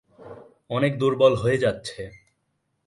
অনেক দুর্বল হয়ে যাচ্ছে।